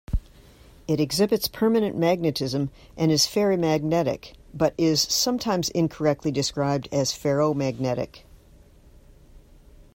It exhibits permanent magnetism and is ferrimagnetic, but is sometimes incorrectly described as ferromagnetic.